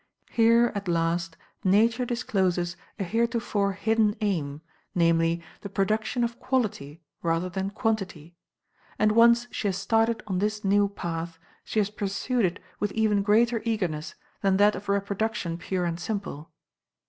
Here, at last, Nature discloses a heretofore hidden aim, namely, the production of quality rather than quantity; and once she has started on this new path, she has pursued it with even greater eagerness than that of reproduction pure and simple.